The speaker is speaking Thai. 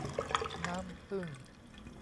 น้ำผึ้ง